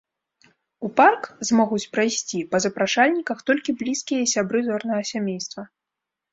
У парк змогуць прайсці па запрашальніках толькі блізкія і сябры зорнага сямейства.